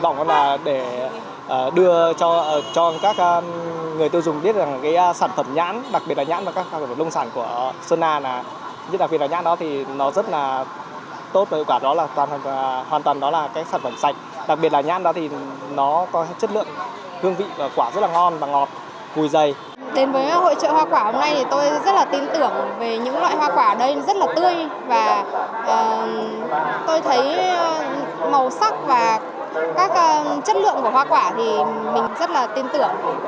những loại hoa quả ở đây rất là tươi và tôi thấy màu sắc và các chất lượng của hoa quả thì mình rất là tin tưởng